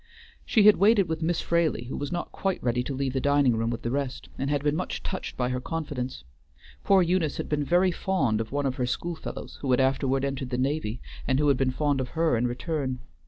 She had waited with Miss Fraley, who was not quite ready to leave the dining room with the rest, and had been much touched by her confidence. Poor Eunice had been very fond of one of her school fellows, who had afterward entered the navy, and who had been fond of her in return.